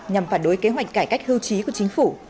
nhằm phản đối kế hoạch cải cách hưu trí của chính phủ